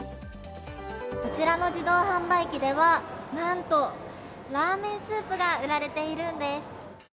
こちらの自動販売機では、なんとラーメンスープが売られているんです。